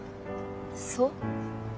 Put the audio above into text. そう？